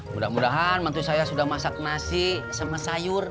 mudah mudahan nanti saya sudah masak nasi sama sayur